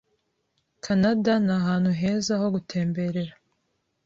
Kanada ni ahantu heza ho gutemberera.